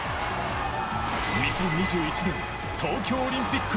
２０２１年東京オリンピック。